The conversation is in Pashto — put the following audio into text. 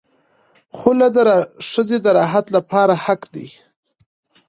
خلع د ښځې د راحت لپاره حق دی.